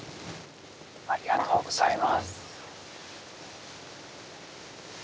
ありがとうございます。